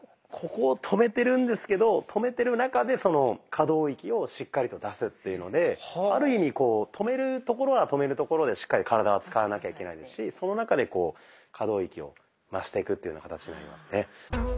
ここを止めてるんですけど止めてる中でその可動域をしっかりと出すっていうのである意味止めるところは止めるところでしっかり体は使わなきゃいけないですしその中でこう可動域を増していくっていうふうな形になりますね。